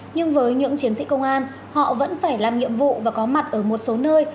nhưng với những chiến sĩ công an họ vẫn phải làm nhiệm vụ và có mặt ở một số nơi